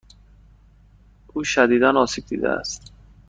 او شدیدا آسیب دیده است.